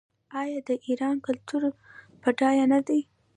آیا د ایران کلتور بډایه نه دی؟